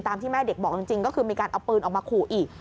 ที่แม่เด็กบอกจริงก็คือมีการเอาปืนออกมาขู่อีก